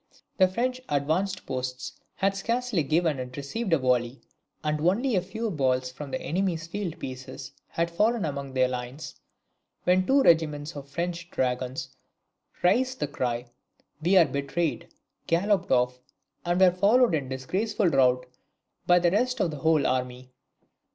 The French advanced posts had scarcely given and received a volley, and only a few balls from the enemy's field pieces had fallen among the lines, when two regiments of French dragoons raised the cry, "We are betrayed," galloped off, and were followed in disgraceful rout by the rest of the whole army.